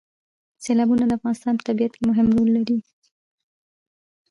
سیلابونه د افغانستان په طبیعت کې مهم رول لري.